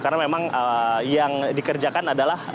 karena memang yang dikerjakan adalah